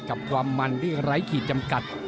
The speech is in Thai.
กับความมันที่ไร้ขีดจำกัด